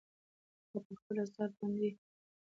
هغه په خپله صافه باندې ټول دوړې لرې کړې.